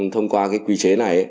thông qua cái quy chế này